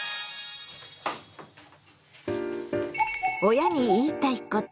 「親に言いたいこと」。